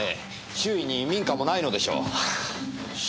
周囲に民家もないのでしょう。